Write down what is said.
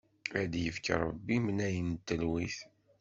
Ad d-ifk Ṛebbi imnayen n telwit!